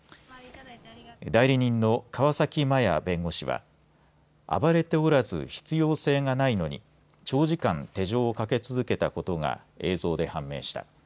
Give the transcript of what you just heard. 代理人の川崎真陽弁護士は暴れておらず必要性がないのに長時間手錠をかけ続けたことが映像で判明した。